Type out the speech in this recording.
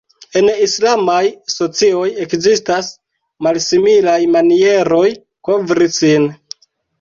En islamaj socioj ekzistas malsimilaj manieroj kovri sin.